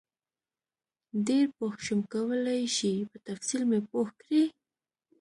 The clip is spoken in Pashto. ډېر پوه شم کولای شئ په تفصیل مې پوه کړئ؟